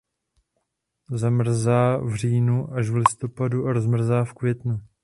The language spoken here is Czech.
Zamrzá v říjnu až v listopadu a rozmrzá v květnu.